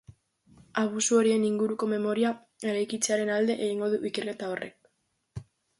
Abusu horien inguruko memoria eraikitzearen alde egingo du ikerketa horrek.